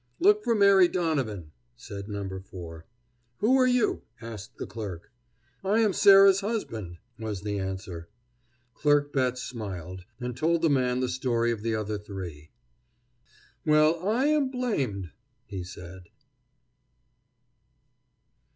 "Look for Mary Donovan," said No. 4. "Who are you?" asked the clerk. "I am Sarah's husband," was the answer. Clerk Betts smiled, and told the man the story of the other three. "Well, I am blamed," he said.